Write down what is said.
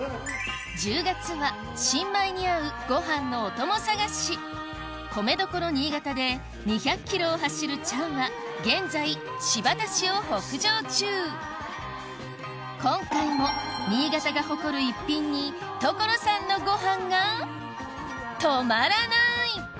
１０月は新米に合うご飯のお供探し米どころ新潟で２００ｋｍを走るチャンは現在新発田市を北上中今回も新潟が誇る逸品に所さんのご飯が止まらない！